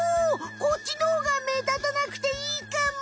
こっちのほうが目立たなくていいかも！